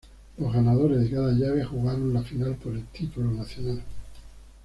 Los ganadores de cada llave jugaron la final por el "Título Nacional".